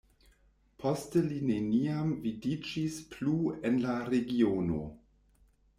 Poste li neniam vidiĝis plu en la regiono.